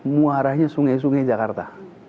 muaranya sungai sungai jakarta